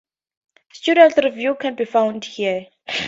Student reviews can be found here.